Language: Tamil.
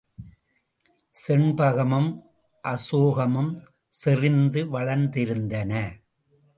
செண்பகமும் அசோகமும் செறிந்து வளர்ந்திருந்தன.